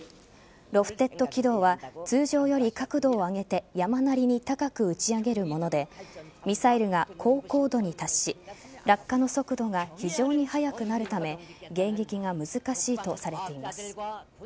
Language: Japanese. ロフテッド軌道は通常より角度を上げて山なりに高く打ち上げるものでミサイルが高高度に達し落下の速度が非常に速くなるため迎撃が難しいとされています。